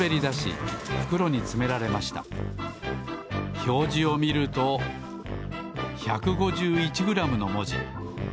ひょうじをみると１５１グラムのもじ。